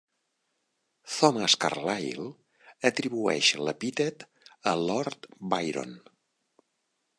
Thomas Carlyle atribueix l'epítet a Lord Byron.